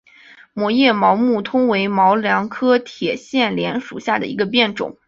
膜叶毛木通为毛茛科铁线莲属下的一个变种。